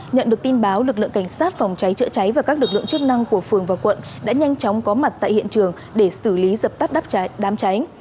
nhận được tin báo lực lượng cảnh sát phòng cháy chữa cháy và các lực lượng chức năng của phường và quận đã nhanh chóng có mặt tại hiện trường để xử lý dập tắt đám cháy đám cháy